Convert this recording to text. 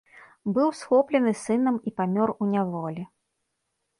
Быў схоплены сынам і памёр у няволі.